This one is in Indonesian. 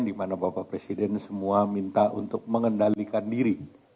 di mana bapak presiden semua minta untuk mengendalikan diri